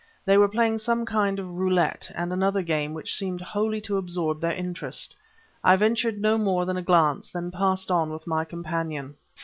They were playing some kind of roulette and another game which seemed wholly to absorb their interest. I ventured no more than a glance, then passed on with my companion.